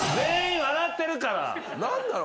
何なの？